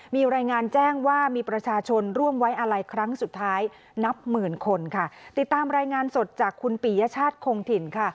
มีรายงานแจ้งว่ามีประชาชนร่วมไว้อาลัยครั้งสุดท้ายนับหมื่นคนค่ะติดตามรายงานสดจากคุณปียชาติคงถิ่นค่ะ